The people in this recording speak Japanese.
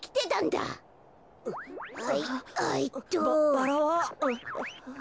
バラは？あ。